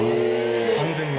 ３０００万？